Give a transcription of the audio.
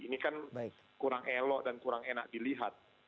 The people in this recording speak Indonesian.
ini kan kurang elok dan kurang enak dilihat